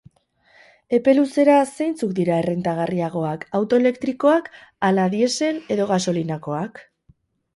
Epe luzera, zeintzuk dira errentagarriagoak, auto elektrikoak ala diesel edo gasolinakoak?